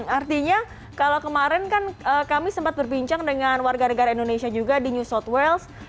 artinya kalau kemarin kan kami sempat berbincang dengan warga negara indonesia juga di new south wales